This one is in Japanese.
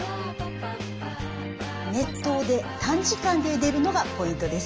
熱湯で短時間でゆでるのがポイントです。